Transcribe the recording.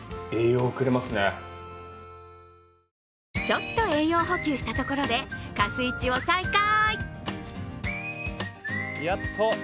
ちょっと栄養補給したところでかすいちを再開。